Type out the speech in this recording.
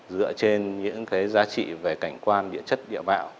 dựa trên những giá trị về cảnh quan địa chất địa bạo